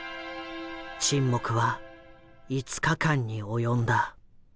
沈黙は５日間に及んだ。